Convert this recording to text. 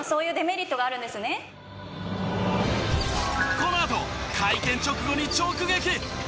このあと会見直後に直撃！